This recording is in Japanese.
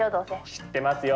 知ってますよ！